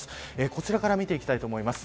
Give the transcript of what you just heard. こちらから見ていきたいと思います。